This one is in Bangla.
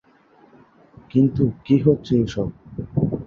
কিন্তু কি হচ্ছে এসব?